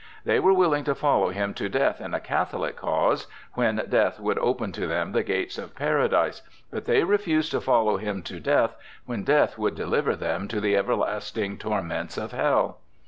They were willing to follow him to death in a Catholic cause, when death would open to them the gates of Paradise, but they refused to follow him to death when death would deliver them to the everlasting torments of hell.